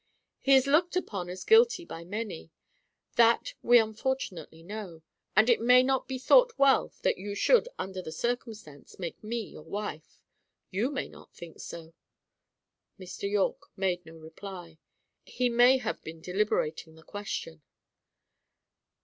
"He is looked upon as guilty by many: that, we unfortunately know; and it may not be thought well that you should, under the circumstance, make me your wife. You may not think so." Mr. Yorke made no reply. He may have been deliberating the question.